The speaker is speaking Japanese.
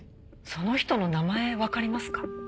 その人の名前わかりますか？